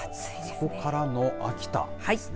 そこからの秋田ですね。